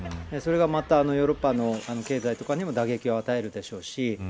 それが、またヨーロッパの経済とかにも打撃を与えるでしょうし